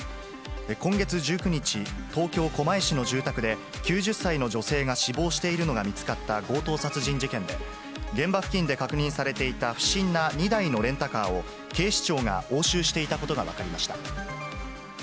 今月１９日、東京・狛江市の住宅で、９０歳の女性が死亡しているのが見つかった強盗殺人事件で、現場付近で確認されていた不審な２台のレンタカーを、警視庁が押収していたことが分かりました。